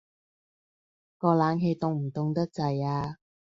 個冷氣凍唔凍得滯呀？